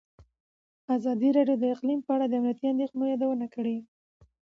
ازادي راډیو د اقلیم په اړه د امنیتي اندېښنو یادونه کړې.